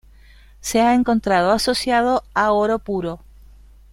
Se ha encontrado asociado a oro puro.